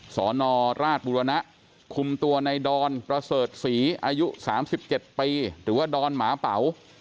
สนราชบุรณะคุมตัวในดอนประเสริฐศรีอายุ๓๗ปีหรือว่าดอนหมาเป๋า